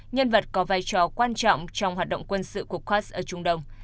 nhân vật có vai trò quan trọng trong hoạt động quân sự của kass ở trung đông